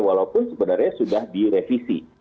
walaupun sebenarnya sudah direvisi